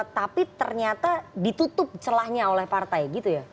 tapi ternyata ditutup celahnya oleh partai gitu ya